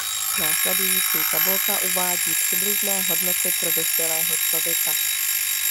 Následující tabulka uvádí přibližné hodnoty pro dospělého člověka.